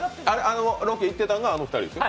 ロケ行っていたのはあのお二人ですよ。